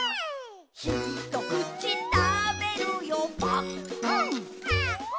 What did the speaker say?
「ひとくちたべるよぱっくん」くん！